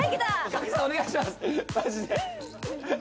賀来さんお願いします！